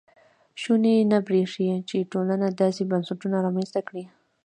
شونې نه برېښي چې ټولنه داسې بنسټونه رامنځته کړي.